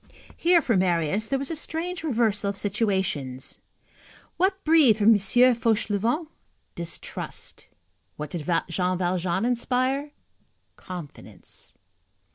Here, for Marius, there was a strange reversal of situations. What breathed from M. Fauchelevent? distrust. What did Jean Valjean inspire? confidence.